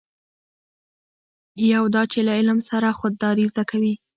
یو دا چې له علم سره خودداري زده کوي.